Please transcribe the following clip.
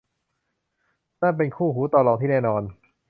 นั่นเป็นคู่หูต่อรองที่แน่นอน